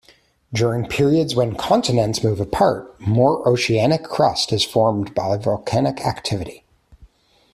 During periods when continents move apart, more oceanic crust is formed by volcanic activity.